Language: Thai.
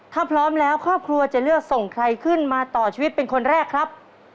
ถ้าพร้อมแล้วครอบครัวจะเลือกส่งใครขึ้นมาต่อชีวิตเป็นคนแรกครับ